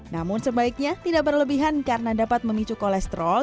namun sebaiknya tidak berlebihan karena dapat memicu kolesterol